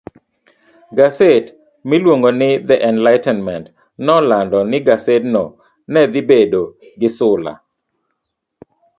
gaset miluongo ni The Enlightenment nolando ni gasedno ne dhi bedo gi sula